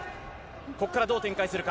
ここからどう展開するか。